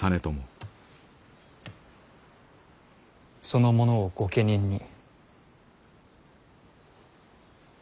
その者を御家人に。